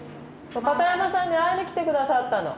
片山さんに会いに来て下さったの。